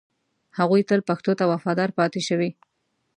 هغوی تل پښتو ته وفادار پاتې شوي